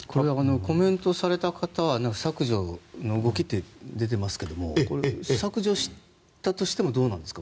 コメントされた方は削除の動きって出ていますがこれは削除したとしてもどうなんですか？